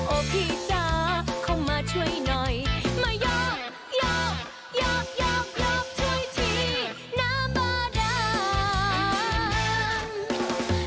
โอเคจ้าเข้ามาช่วยหน่อยมาโยกโยกโยกโยกโยกช่วยทีน้ำบาดาน